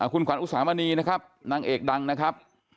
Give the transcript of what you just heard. คุณขวัญอุสามณีนะครับนางเอกดังนะครับ